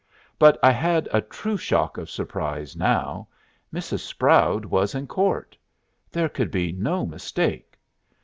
But I had a true shock of surprise now. Mrs. Sproud was in court. There could be no mistake.